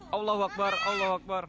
gili trawangan lombok utara